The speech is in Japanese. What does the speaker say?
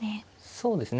そうですね。